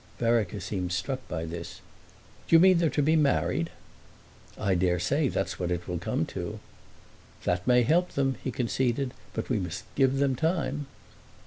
Vereker seemed struck with this. "Do you mean they're to be married?" "I dare say that's what it will come to." "That may help them," he conceded, "but we must give them time!"